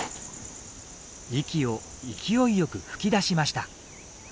息を勢いよく吹き出しました。